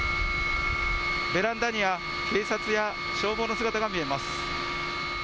ベランダには警察や消防の姿が見えます。